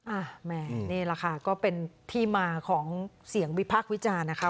แม่นี่แหละค่ะก็เป็นที่มาของเสียงวิพากษ์วิจารณ์นะคะ